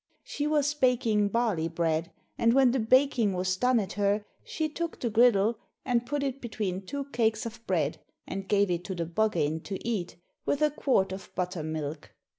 She was baking barley bread, and when the baking was done at her, she took the griddle and put it between two cakes of bread, and gave it to the Buggane to eat, with a quart of buttermilk.